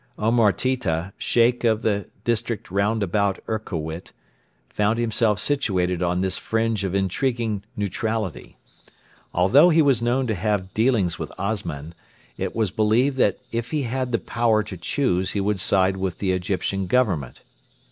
Omar Tita, Sheikh of the district round about Erkowit, found himself situated on this fringe of intriguing neutrality. Although he was known to have dealings with Osman, it was believed that if he had the power to choose he would side with the Egyptian Government.